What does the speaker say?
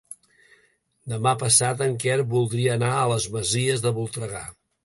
Demà passat en Quer voldria anar a les Masies de Voltregà.